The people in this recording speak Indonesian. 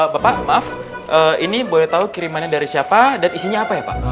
bapak maaf ini boleh tahu kirimannya dari siapa dan isinya apa ya pak